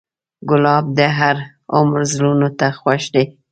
ګلاب د هر عمر زړونو ته خوښ دی.